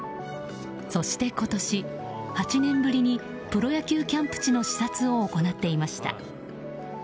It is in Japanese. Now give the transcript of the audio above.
そして今年、８年ぶりのプロ野球キャンプ地の視察を行っていました。